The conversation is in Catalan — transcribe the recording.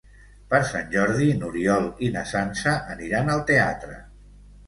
Per Sant Jordi n'Oriol i na Sança aniran al teatre.